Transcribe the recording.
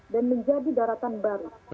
dan menjadi daratan baru